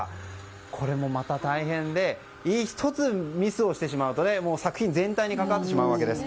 これもまた大変で１つミスをしてしまうと作品全体に関わってしまうわけです。